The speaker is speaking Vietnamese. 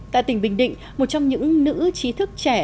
tại tỉnh bình định một trong những nữ trí thức trẻ